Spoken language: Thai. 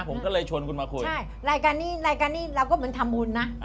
ผมก็เลยชวนคุณมาคุยรายการนี้เราก็เหมือนทะมูลนะ